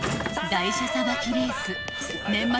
台車さばきレース年末